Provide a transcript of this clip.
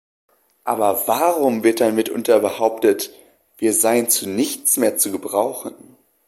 Aber warum wird dann mitunter behauptet, wir seien zu nichts mehr zu gebrauchen?